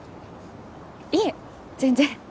いえ全然。